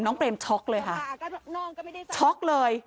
เปรมช็อกเลยค่ะช็อกเลย